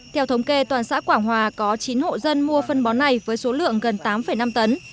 theo thống kê toàn xã quảng hòa có chín hộ dân mua phân bón này với số lượng gần tám năm tấn